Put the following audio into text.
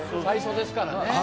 最初ですからね